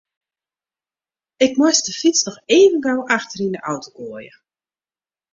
Ik moast de fyts noch even gau achter yn de auto goaie.